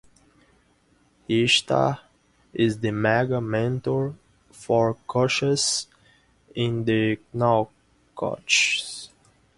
Ishtar is the Mega Mentor for coacahes in the Knockouts.